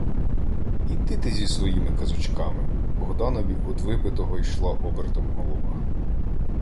— Іди ти зі своїми казочками! — Богданові од випитого йшла обертом голова.